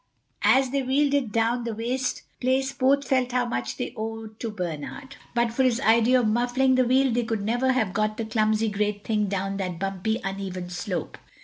As they wheeled it down the waste place both felt how much they owed to Bernard. But for his idea of muffling the wheel they could never have got the clumsy great thing down that bumpy uneven slope.